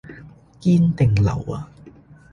堅定流呀？